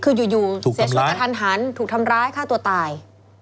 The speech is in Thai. คืออยู่เสียชีวิตกระทันหันถูกทำร้ายฆ่าตัวตาย